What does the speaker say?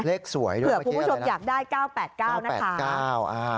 เผื่อผู้คนชมอยากได้๙๘๙นะคะ